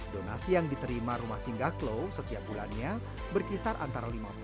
donasi yang diterima rumah singgah klauw setiap bulannya berkisar antara lima puluh hingga seratus juta rupiah